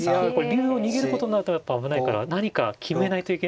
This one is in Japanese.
竜を逃げることになるとやっぱ危ないから何か決めないといけない。